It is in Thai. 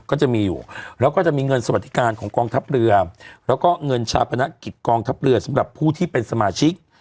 ก็จะมีอยู่แล้วก็จะมีเงินสวัสดิการของกองทัพเรือแล้วก็เงินชาปนกิจกองทัพเรือสำหรับผู้ที่เป็นสมาชิก